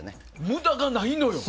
無駄がないのよ。